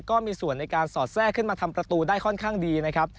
ก็มีส่วนในการสอดแทรกขึ้นมาทำประตูได้ค่อนข้างดีนะครับ